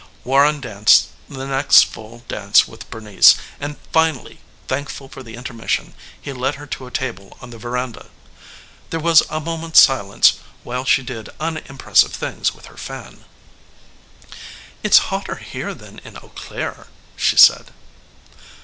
Warren danced the next full dance with Bernice, and finally, thankful for the intermission, he led her to a table on the veranda. There was a moment's silence while she did unimpressive things with her fan. "It's hotter here than in Eau Claire," she said.